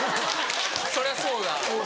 そりゃそうだ。